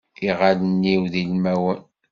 Iɣallen-iw d ilmawen.